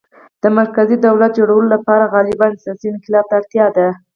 د مرکزي دولت جوړولو لپاره غالباً سیاسي انقلاب ته اړتیا ده